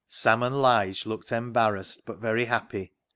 Sam and Lige looked embarrassed, but very happy.